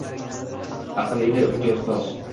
Аql edi unga ustoz